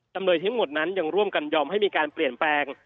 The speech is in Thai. เลยทั้งหมดนั้นยังร่วมกันยอมให้มีการเปลี่ยนแปลง